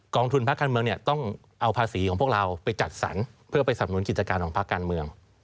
ทุนภาคการเมืองเนี่ยต้องเอาภาษีของพวกเราไปจัดสรรเพื่อไปสับหนุนกิจการของภาคการเมือง